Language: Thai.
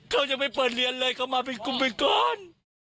เขายังไม่เปิดเรียนเลยเขามาเป็นกลุ่มไปก่อน